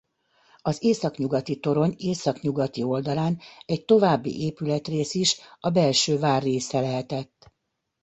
Az északnyugati torony északnyugati oldalán egy további épületrész is a belső vár része lehetett.